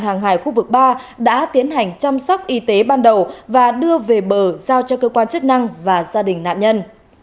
hàng hải khu vực ba đã tiến hành chăm sóc y tế ban đầu và đưa về bờ giao cho cơ quan chức năng và gia đình nạn nhân